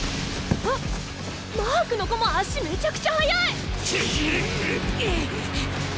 あっマークの子も足めちゃくちゃ速い！